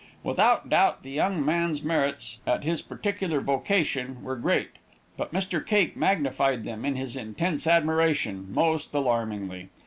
Without doubt, the young man's merits, at his particular vocation, were great; but Mr. Cake magnified them, in his intense admiration, most alarmingly.